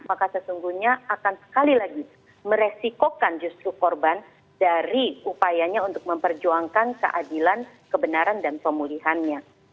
maka sesungguhnya akan sekali lagi meresikokan justru korban dari upayanya untuk memperjuangkan keadilan kebenaran dan pemulihannya